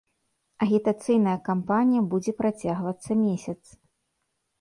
Агітацыйная кампанія будзе працягвацца месяц.